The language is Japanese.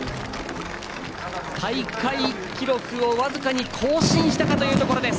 大会記録を僅かに更新したかというところです。